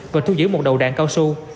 và thu giữ một đầu đạn cao su